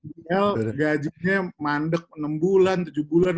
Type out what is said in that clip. dia gajinya mandek enam bulan tujuh bulan